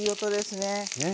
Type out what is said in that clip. ねえ。